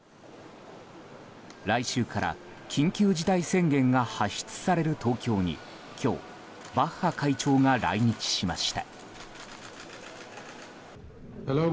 来週から緊急事態宣言が発出される東京に今日バッハ会長が来日しました。